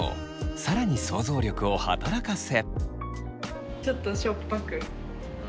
更に想像力を働かせ。